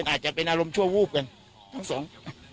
อาจจะเป็นอารมณ์ชั่ววูบกันทั้งสอง